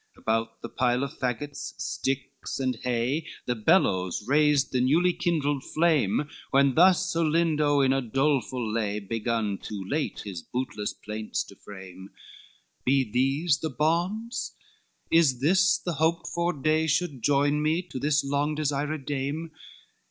XXXIII About the pile of fagots, sticks and hay, The bellows raised the newly kindled flame, When thus Olindo, in a doleful lay, Begun too late his bootless plaints to frame: "Be these the bonds? Is this the hoped for day, Should join me to this long desired dame?